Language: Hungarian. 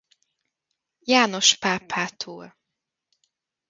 János pápától.